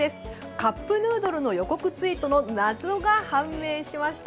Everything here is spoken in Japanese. カップヌードルの予告ツイートの謎が判明しました。